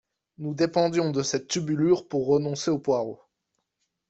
Nous dépendions de cette tubulure pour renoncer aux poireaux.